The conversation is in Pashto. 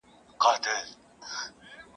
پر کشپ باندي شېبې نه تېرېدلې !.